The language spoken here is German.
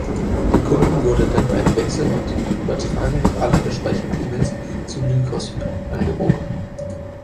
Den Kunden wurde dann ein Wechsel mit Übertragung aller gespeicherten E-Mails zu Lycos angeboten.